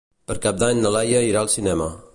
Per Cap d'Any na Laia irà al cinema.